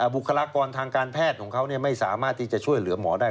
บุคลากรทางการแพทย์ของเขาไม่สามารถที่จะช่วยเหลือหมอได้